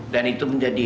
dan itu menjadi